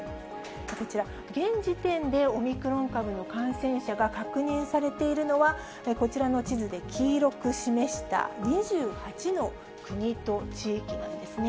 こちら、現時点でオミクロン株の感染者が確認されているのは、こちらの地図で黄色く示した２８の国と地域なんですね。